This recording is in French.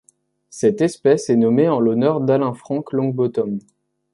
Cette espèce est nommée en l'honneur d'Alan Frank Longbottom.